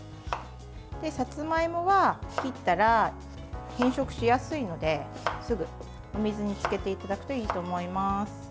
さつまいもは切ったら変色しやすいのですぐお水につけていただくといいと思います。